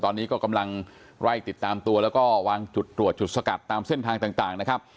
ตอนนี้ก็กำลังไล่ติดตามตัวแล้วก็วางจุดตรวจจุดสกัดตามเส้นทางต่างนะครับ